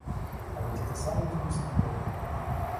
А ведь это самые вкусные плоды.